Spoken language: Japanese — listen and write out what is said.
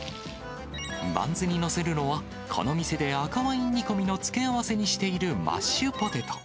バンズに載せるのは、この店で赤ワイン煮込みの付け合わせにしているマッシュポテト。